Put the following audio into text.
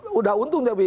sudah untung tapi